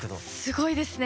すごいですね。